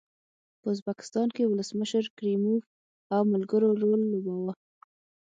په ازبکستان کې ولسمشر کریموف او ملګرو رول لوباوه.